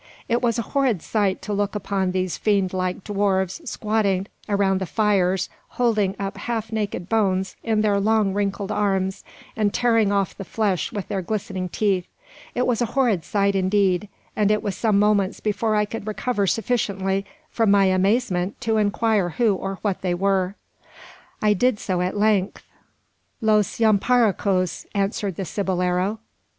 It was a horrid sight to look upon these fiend like dwarfs squatted around the fires, holding up half naked bones in their long, wrinkled arms, and tearing off the flesh with their glistening teeth. It was a horrid sight, indeed; and it was some moments before I could recover sufficiently from my amazement to inquire who or what they were. I did so at length. "Los Yamparicos," answered the cibolero.